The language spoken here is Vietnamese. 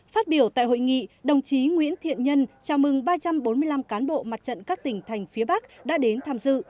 phát biểu tại hội nghị đồng chí nguyễn thiện nhân chào mừng ba trăm bốn mươi năm cán bộ mặt trận các tỉnh thành phía bắc đã đến tham dự